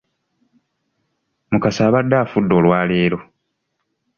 Mukasa abadde afudde olwaleero!